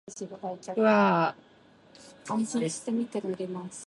ふぁあ